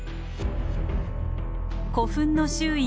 古墳の周囲